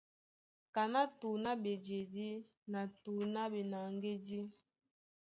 Kaná tǔŋ á ɓejedí na tǔŋ á ɓenaŋgédí.